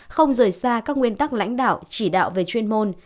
không rời xa các nguyên tắc lãnh đạo chỉ đạo về chuyên môn